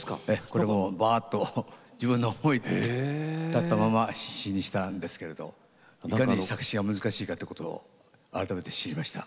これもバーッと自分の思い立ったまま詞にしたんですけれどいかに作詞が難しいかということを改めて知りました。